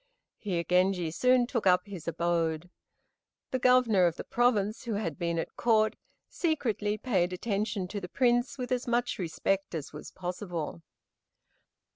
Here Genji soon took up his abode. The Governor of the province, who had been at Court, secretly paid attention to the Prince, with as much respect as was possible.